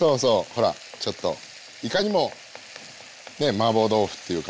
ほらちょっといかにもねマーボー豆腐っていう感じの。